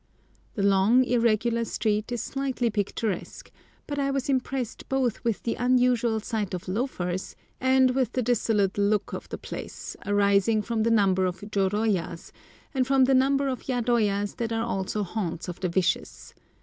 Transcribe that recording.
The long, irregular street is slightly picturesque, but I was impressed both with the unusual sight of loafers and with the dissolute look of the place, arising from the number of jôrôyas, and from the number of yadoyas that are also haunts of the vicious.